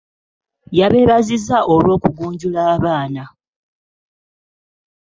Yabeebazizza era olw'okugunjula abaana.